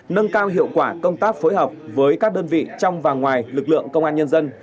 nâng cao hiệu quả công tác phối hợp với các đơn vị trong và ngoài lực lượng công an nhân dân